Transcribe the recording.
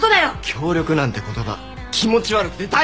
「協力」なんて言葉気持ち悪くて大嫌いです！